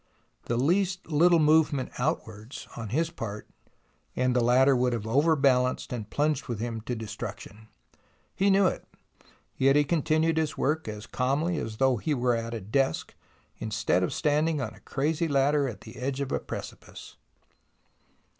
The least little movement outwards on his part and the ladder would have over balanced and plunged with him to destruc tion. He knew it, yet he continued his work as calmly as though he were at a desk instead of standing on a crazy ladder at the edge of a precipice.